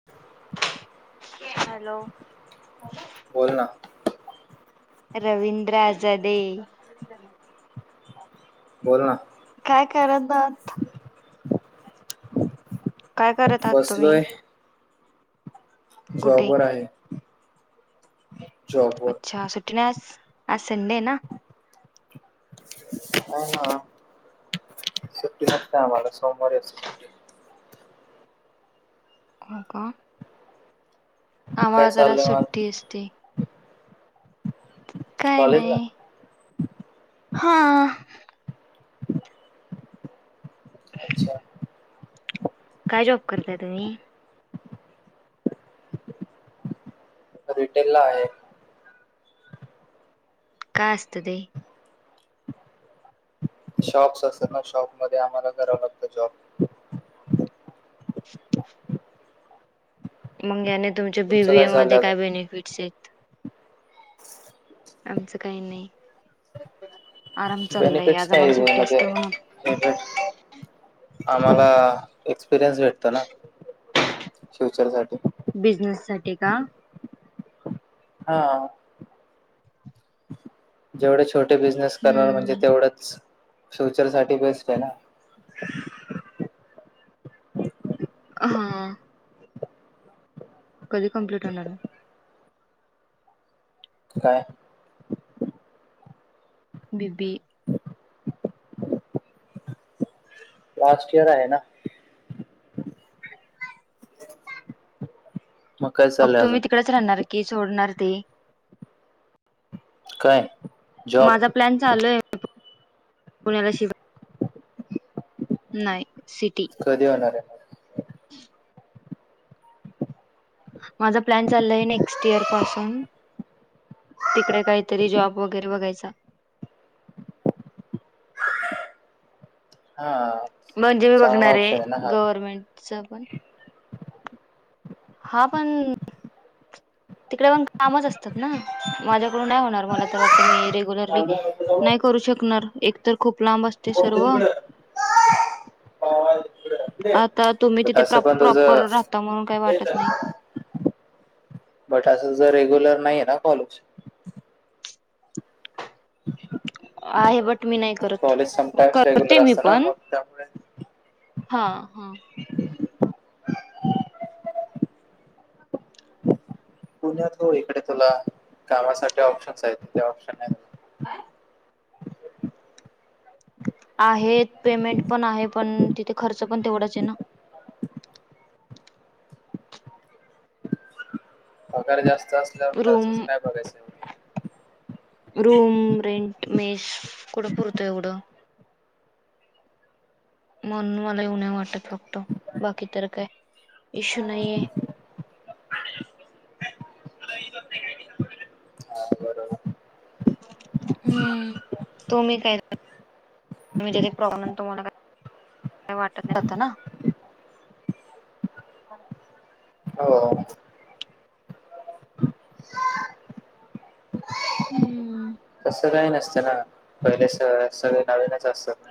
[inaudible] Hello. बोल ना. रवींद्र आझादे. बोल ना. काय करत दा. काय करत आहात तुम्ही? बसलोय जॉब कुठे वर आहे. जॉबवर अच्छा सुट्टी नाही आज. आज संडे ना. नाही ना सुट्टी नसते. आम्हाला सोमवारी असतं. हो का? काय आम्हाला जरा चाललंय सुट्टी मला असते. काय कॉलेजला नाही. हा. अच्छा काय? जॉब करताय तुम्ही. रिटेल ला आहे. काय? असतं ते. शॉप्स असतं ना शॉप मध्ये आम्हाला करावं लागतं जॉब. मग याने तुमच्या बी तुमचं बी ए चाललं मध्ये काय अजून बेनिफिट्स आहेत. आमचं काही नाही. आराम चाललाय बेनिफिट्स आज काय आम्हाला नाही सुट्टी असते म्हणून म्हणजे. आम्हाला एक्सपिरयन्स भेटत ना फ्युचर साठी. बिझनेस साठी का? हा जेवढे छोटे बिझनेस करणार म्हणजे. हम्म तेवढंच फ्युचर साठी बेस्ट आहे ना. ह हा. कधी कंप्लीट होणार. काय? B B A. Last year आहे ना. काय मग चाललंय अजून तुम्ही तिकडेच राहणार की सोडणार ते. काय जॉब माझा प्लॅन चालू आहे. पुण्याला शि नाही सिटी. कधी होणार आहे मग. माझा प्लॅन चालला आहे नेक्स्ट इयर पासून. तिकडे काही तरी जॉब वगैरे बघायचा. हा. म्हणजे मी चांगला बघणार आहे ऑप्शन ना हा गव्हर्मेंटच पण. हा पण. तिकडे पण कामच असतात ना माझ्याकडून नाही. हो मला तर वाटतंय की मी रेगुलर नाही करू शकणार एक तर खूप लांब असते. सर्व पतकड. आता तुम्ही [unintelligible] तिथे प्रॉ तसं पण तुझं. प्रॉपर राहता म्हणून काही वाटत नाही बट असं ज रेग्युलर नाही ना कॉलेज. [unintelligible] आहे बट मी नाही करत कॉलेज समटाइम्स करते रेग्युलर मी असतं ना पण. मग त्यामुळे हा हा. पुण्यात हो इकडे तुला कामासाठी ऑप्शन्स आहेत ऑप्शन. आहेत पेमेंट पण आहे पण तिथे खर्च पण तेवढाच आहे ना. पगार जास्त असल्यावर खर्च रूम काय बघायचं. रूम रेंट, मेस कुठं पुरतं आहे एवढं. म्हणून मला येऊन नाही वाटत फक्त बाकी तर काय इश्यू नाहीये. हा बरोबर. हम्म तुम्ही काय जे प्रॉब्ले तुम्हाला काय? [unintelligible] काय वाटत नाही जात ना. [unintelligible] हो. [inaudible] हम्म तस काही नसत ना पहिले स सगळे नवीनच असत ना.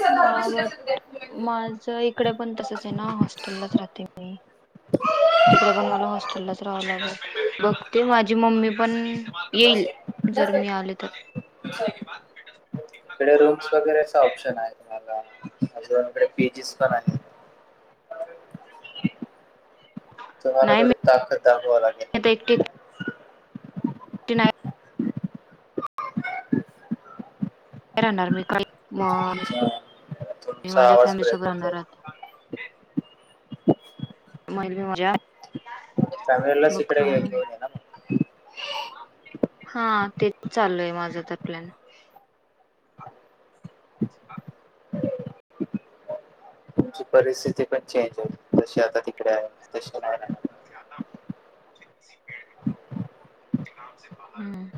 [unintelligible] हा बट माझ इकडे पण तसच आहे ना हॉस्टेललाच राहते मी. तिकडे पण मला हॉस्टेललाच राहाव लाग बघते माझी मम्मी पण- येईल इकडे जर मी आले तर. इकडे रूम्स वगैरेचा ऑप्शन आहे तुम्हाला इकडे पेजीस पण आहे. [unintelligible] तुम्हाला मी थोडी ताकद दाखववा लागेल. [unintelligible] [unintelligible] [inaudible] का राहणार मी का म मी तुमचा माझ्या आवाज फॅमिली सोबत ब्रेक होतोय. राहणार य. [unintelligible] फॅमिलीलाच इकडे घेऊन ये ना मग हा तेच चालूयं माझं तर प्लॅन. अ. तुमची परिस्थिती पण चेंज आहे जशी आता तिकडे आहे तशी नाही राहणार. हं.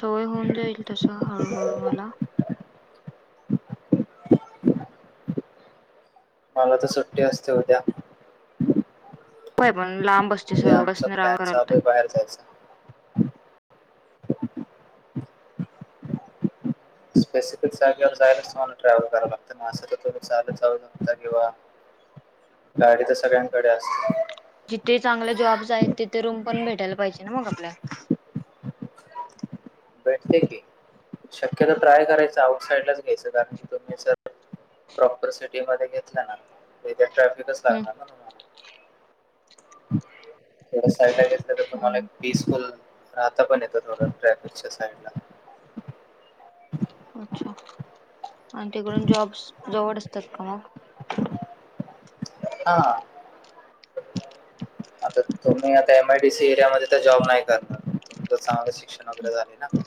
सवय होऊन जाईल तसं हळूहळू मला. [inaudible] मला तर सुट्टी असते उद्या. होय पण लांब असते उद्या सर्व आमचा बसन राहावं प्लॅन करावं चालू लागतं आहे बाहेर जायचा. स्पेसिफिक जाग्यावर जायला तुमला ट्रॅव्हल कराव लागत. असं तर तथो चालत जाव लागता किंवा गाडी तर सगळ्यांकडे असते. जिथे चांगले जॉब्स आहेत. तिथे रूम पण भेटायला पाहिजे ना मग आपल्याला. भेटते की. शक्यतो ट्राय करायचं आउटसाइडलाच घ्यायचं कारण तुम्ही सर- प्रॉपर सिटी मध्ये घेतलं ना. तिथे ट्रॅफिक लागणारच ना. थोड्या साईड ला घेतलं तर तुम्हाला एक हम्म पीसफुल राहता पण येतं थोड ट्रॅफिकच्या साईड ला. अच्छा आणि तिकडून जॉब्स जवळ असतात का मग. हा. आता तुम्ही आता एम आयडीसी एरिया मध्ये तर जॉब नाही तुमचं चांगलं शिक्षण- शिक्षण वगैरे झालय ना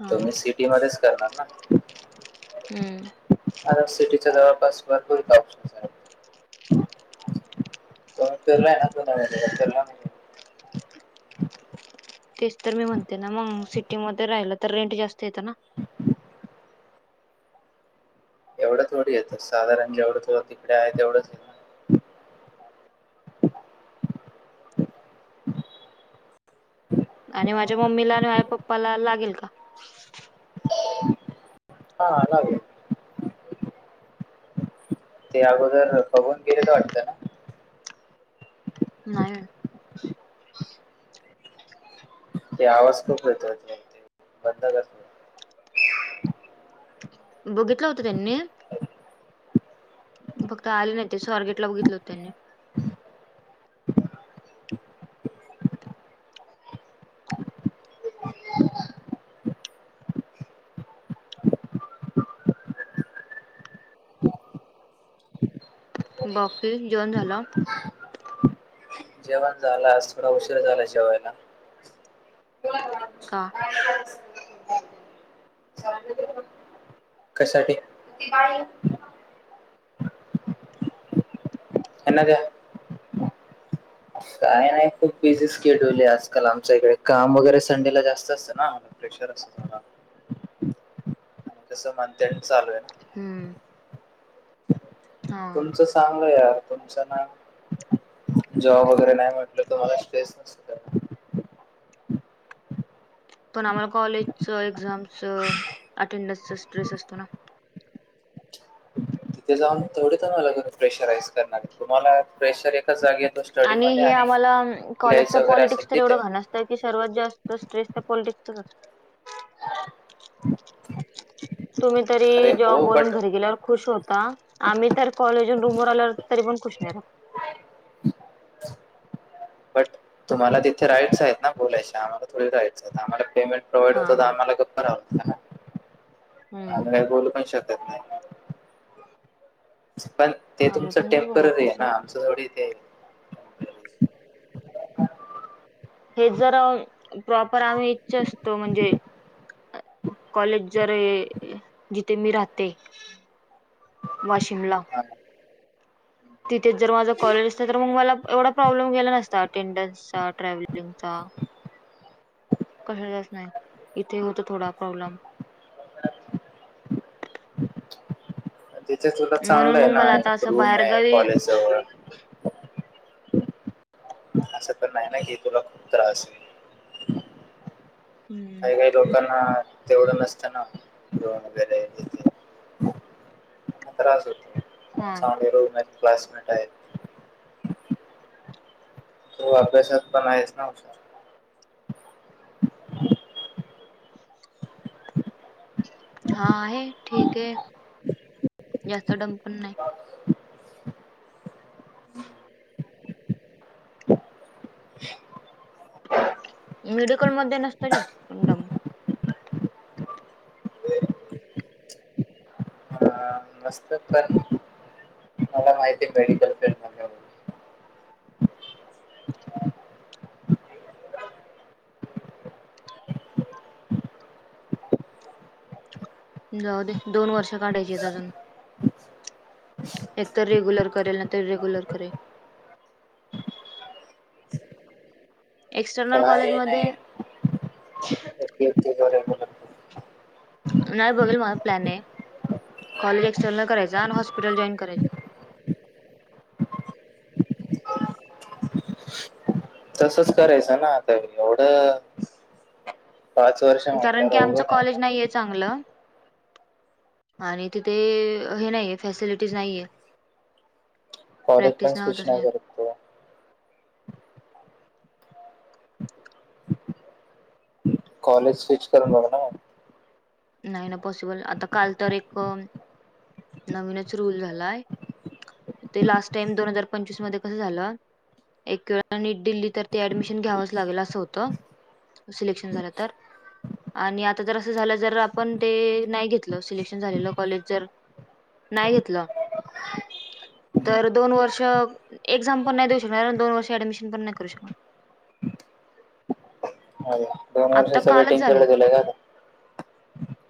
हा तुम्ही सिटी मध्येच करणार ना. हम्म. आता सिटीच्या जवळपास भरपूर ऑप्शन आहेत. [unintelligible] तेच तर मी म्हणते ना मग सिटीमध्ये राहिलं तर रेंट जास्त येतं ना. [inaudible] एवढं थोडी येतं साधारण जेवढं थ तिकडे आहे तेवढंच येत. [unintelligible] आणि माझ्या मम्मीला राहाय आणि माझ्या पप्पाला लागेल का. हा लागेल. ते अगोदर बघून गेलेत वाटतं ना. नाय. ते आवाज खूप येतोय मग ते बंद कर. बघितलं होता त्यांनी. कधी. फक्त आले नाही ते स्वारगेटला बघितलं होत त्यांनी. [inaudible] बाकी जेवण झालं? जेवण झालं आज थोडा उशीर झाला जेवायला. का.? [inaudible] कशासाठी.? त्यांना दया. [inaudible] काय नाही खूप बिझी स्केड्युल आहे आजकाल आमच्या इकडे काम वगैरे संडेला जास्त असतं ना. प्रेशर असतो तेवढा. [inaudible] तसं मंथ एंड चालू आहे ना. हम्म. हा तुमचं स चांगलं आहे यार जॉब वगैरे नाय म्हटलं तुम्हाला स्ट्रेस नसेल. पण आम्हाला कॉलेजचं, एक्झामचं, अटेंडन्सचं स्ट्रेस असतो ना. [unintelligible] तिथे जाऊन तेवढे तुम्हाला [unintelligible] प्रेशर आहेस [unintelligible] तुम्हाला प्रेशर एकच जागी येतो आणि स्टडीमध्ये हे आम्हाला लिहायचं कॉलेजच वगैरे पॉलिटिक्स असेल तर एवढं तिथे घाण अस तय की सर्वात जास्त स्ट्रेस त्या पॉलिटिक्सचाच असतो. [unintelligible] तुम्ही तरी अरे जॉब हो वरून बट घरी गेल्यावर खुश होता आम्ही तर कॉलेज वरून रूमवर आल्यावर तरी पण खुश नाही राहत. बट तुम्हाला तिथे राइट्स आहेत ना बोलायचे आम्हाला थोडी राइट्स आहेत आम्हाला पेमेंट प्रोवाइड हा होतात हा आम्हाला गप्प राहावं लाग तं ना हम्म आम्ही काही बोलू पण शक पण ते आम्ही तुमचं पण नाही बोलत टेम्पररी आहे ना तसं आमचं थोडी ते हे जर प्रॉपर आम्ही इच्छा असतो म्हणजे अ कॉलेज जर आहे जिथे मी राहते. वाशिमला हा हा. तिथेच जर माझा कॉलेज अस तर मग मला एवढा प्रॉब्लेम गेला नसता अटेंडन्सचा, ट्रॅव्हलिंगचा कशाचच नाही इथे होतं थोडा प्रॉब्लेम. तिथे तुला चांगलं म्हणून आहे मग ना मला आता एक असं रूम आहे बाहेरगावी कॉलेज जवळ. असं पण नाही ना कि तुला खूप त्रास हम्म काय काय लोकांना तेवढं नसतं ना रूम वगैरे तिथे म त्रास होतोय. हा [unintelligible] तू अभ्यासात पण आहेस ना हुशार. [unintelligible] [unintelligible] हा आहे ठीक आहे जास्त डम पण नाय. [unintelligible] [unintelligible] मेडिकल मध्ये नसतं जास्त पण डम. पण नसत्यात पण मला माहिती मेडिकल फिल्ड मधल्या. [unintelligible] जाऊ दे दोन वर्ष काढायची आहेत अजून. एक तर रेग्युलर करेल ना तर रेग्युलर करे. एक्सटर्नल काय कॉलेजमध्ये नाही नाय बघ री माझा प्लॅन आहे कॉलेज एक्सटर्नल करायच आणि हॉस्पिटल जॉईन करायचं. तसच करायचं ना आता एवढं पाच वर्ष कारण म्हटल्यावर की आमचं अवघड आहे ना कॉलेज नाहीये चांगलं आणि तिथे हे नाहीये फॅसिलिटीज नाहीये. कॉलेज काय प्रॅक्टिस नाही होत कृष्णा असे घर [unintelligible] कॉलेज स्विच करनार ना नाय ना पॉसिबल आता काल तर एक.. नवीनच रूल झालाय. ते लास्ट टाइम दोन हजार पंचवीस मध्ये कसं झालं. एक वेळा दिल्ली तर ते ऍडमिशन घ्यावंच लागेल असं होतं. सिलेक्शन झालं तर आणि आता जर असं झालं जर.. आपण ते ते नाही घेतलं सिलेक्शन झालेलं कॉलेज जर.. नाही घेलं तर दोन वर्ष एक्झाम पण नाही देऊ शकणार कारण दोन वर्ष ऍडमिशन पण नाही करू शकणार हॅलो!.. दोन आता वर्षाच कालच वेटिंग झाले पिरियड दिलंय का?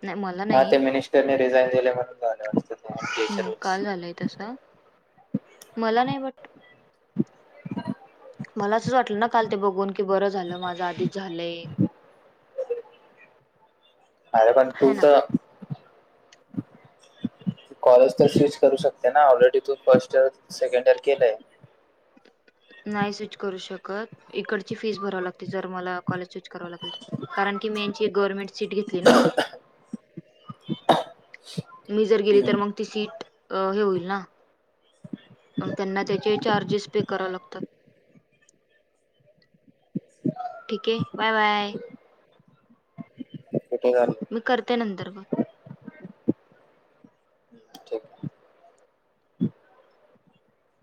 नाही मला हा नाही ते मिनिस्टर रिझाईन केले म्हणून [inaudible] हम्म काल झालंय तसं? मला नाही बघ ह [inaudible] मला असंच वाटलं ना काल ते बघून की बरं झालं माझं आधीच झालंय. अरे.. पण है ना तूट [inaudible] कॉलेज तर स्विच करू शकते ना ऑलरेडी तू फर्स्ट इयर, सेकंड इयर केलंय. नाही स्विच करू शकत इकडची फीस भराव लागते जर मला कॉलेज स्विच कराव लागल. आणखीन मेनची गव्हर्मेंट सीट घेतली ना मी जर गेली तर मग ती सीट.. हे होईल ना मग त्यांना त्याचे चार्जेस पे करावे लागतात. ठीक आहे, बाय.. बाय.. [unintelligible] कुठे झालं मी करते नंतर कॉल [inaudible]